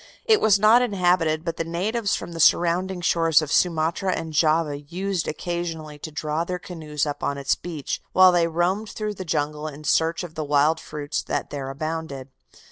It was not inhabited, but the natives from the surrounding shores of Sumatra and Java used occasionally to draw their canoes up on its beach, while they roamed through the jungle in search of the wild fruits that there abounded.